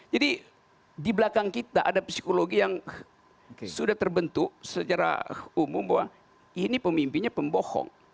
jadi di belakang kita ada psikologi yang sudah terbentuk secara umum bahwa ini pemimpinnya pembohong